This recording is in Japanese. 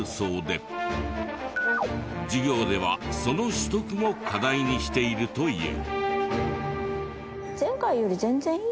授業ではその取得も課題にしているという。